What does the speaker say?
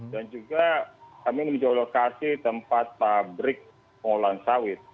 dan juga kami meninjau lokasi tempat pabrik molan sawit